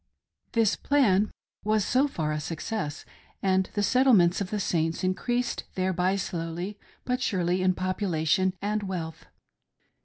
I93 This "plan" was, so far, a success, and the settlements of the Saints increased thereby slowly but surely, in population and wealth.